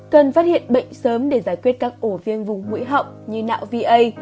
cần phát hiện bệnh sớm để giải quyết các ổ viêm vùng mũi họng như nạo va